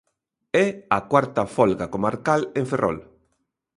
É a cuarta folga comarcal en Ferrol.